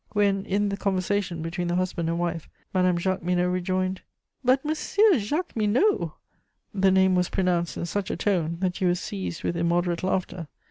When, in the conversation between the husband and wife, Madame Jacqueminot rejoined, "But, Monsieur Jacqueminot!" the name was pronounced in such a tone that you were seized with immoderate laughter.